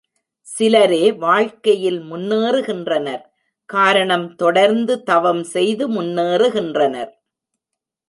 சிலரே வாழ்க்கையில் முன்னேறுகின்றனர் காரணம் தொடர்ந்து தவம் செய்து முன்னேறுகின்றனர்.